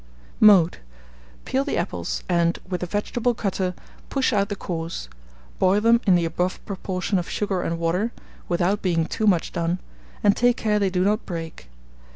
Mode. Peel the apples, and, with a vegetable cutter, push out the cores; boil them in the above proportion of sugar and water, without being too much done, and take care they do not break.